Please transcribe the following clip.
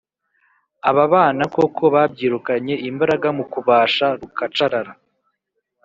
Aba bana koko babyirukanye imbaraga mu kubasha rukacarara.